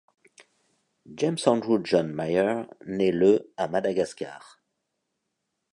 James Andrew John Mayer naît le à Madagascar.